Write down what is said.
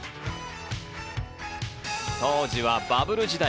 当時はバブル時代。